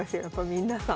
皆さん。